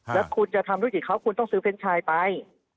แล้วคุณจะทำธุรกิจเขาคุณต้องซื้อเฟรนชายไป